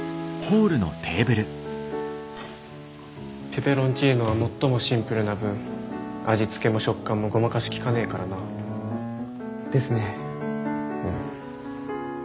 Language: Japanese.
ペペロンチーノは最もシンプルな分味付けも食感もごまかしきかねえからな。ですね。